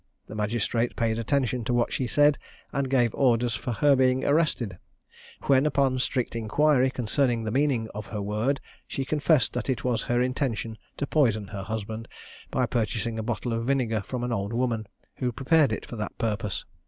The magistrate paid attention to what she said, and gave orders for her being arrested; when, upon strict inquiry concerning the meaning of her word, she confessed that it was her intention to poison her husband, by purchasing a bottle of vinegar from an old woman, who prepared it for that purpose.